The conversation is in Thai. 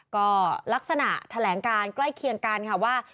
ก็ลักษณะแถลงการใกล้เคียงกันค่ะว่า